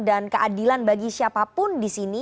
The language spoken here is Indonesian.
dan keadilan bagi siapapun disini